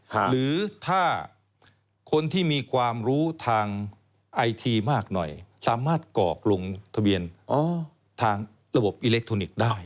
หรือถ้าคนที่มีความรู้ทางไอทีมากหน่อยสามารถกรอกลงทะเบียนทางระบบอิเล็กทรอนิกส์ได้